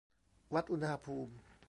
วัดอุณหภูมิ